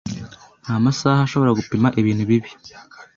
ntamasaha ashobora gupima ibintu bibi